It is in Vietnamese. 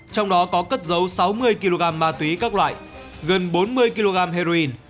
trong đó có cất dấu sáu mươi kg ma túy các loại gần bốn mươi kg heroin